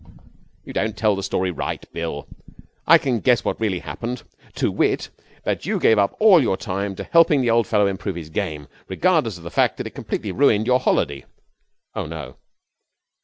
'You don't tell the story right, Bill. I can guess what really happened to wit, that you gave up all your time to helping the old fellow improve his game, regardless of the fact that it completely ruined your holiday.' 'Oh, no!'